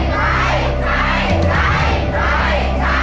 ใช้